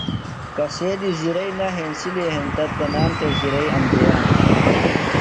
کسے دی زرئی نہ ہینسِلیۡ ہینتہ تنام تھےۡ زرئی امزیانہ۔